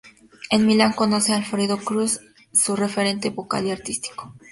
En Milán conoce a Alfredo Kraus, su referente vocal y artístico.